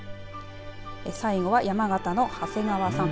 最後は山形の長谷川さん。